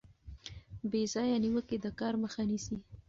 بې ځایه نیوکې د کار مخه نیسي.